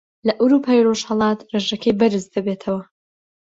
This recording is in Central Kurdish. لە ئەورووپای ڕۆژهەڵات ڕێژەکەی بەرز دەبێتەوە